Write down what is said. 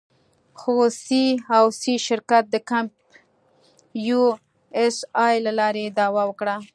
خو سي او سي شرکت د کمپ یو اس اې له لارې دعوه وکړه.